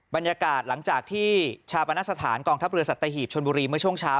บรรยากาศหลังจากที่ชาปนสถานกองทัพเรือสัตหีบชนบุรีเมื่อช่วงเช้า